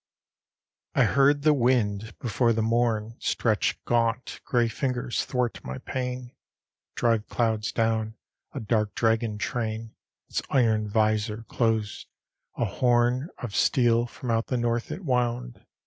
LX I heard the wind, before the morn Stretched gaunt, gray fingers 'thwart my pane, Drive clouds down, a dark dragon train; Its iron visor closed, a horn Of steel from out the north it wound.